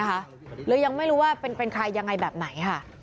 หรือยังไม่รู้ว่าเป็นใครยังไงแบบไหน